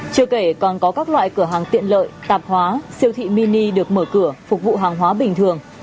chưa kể còn có các loại cửa hàng tiện lợi tạp hóa siêu thị mini được mở cửa phục vụ hàng hóa bình thường